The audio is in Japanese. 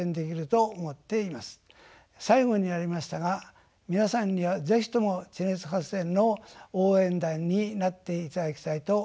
最後になりましたが皆さんには是非とも地熱発電の応援団になっていただきたいと思います。